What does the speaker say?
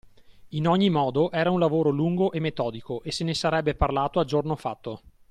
In ogni modo, era un lavoro lungo e metodico e se ne sarebbe parlato a giorno fatto.